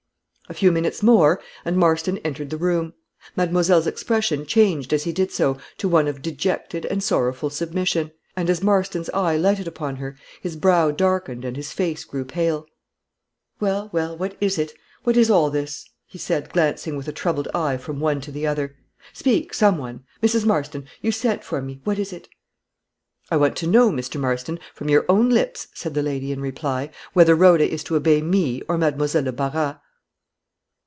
A few minutes more, and Marston entered the room. Mademoiselle's expression changed as he did so to one of dejected and sorrowful submission; and, as Marston's eye lighted upon her, his brow darkened and his face grew pale. "Well, well what is it? What is all this?" he said, glancing with a troubled eye from one to the other. "Speak, someone. Mrs. Marston, you sent for me; what is it?" "I want to know, Mr. Marston, from your own lips," said the lady, in reply, "whether Rhoda is to obey me or Mademoiselle de Barras?"